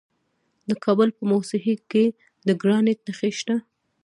د کابل په موسهي کې د ګرانیټ نښې شته.